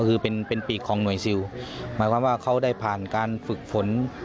คือเป็นเป็นปีกของหน่วยซิลหมายความว่าเขาได้ผ่านการฝึกฝน